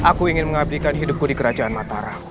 aku ingin mengabdikan hidupku di kerajaan mataram